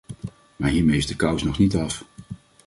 Maar hiermee is de kous nog niet af.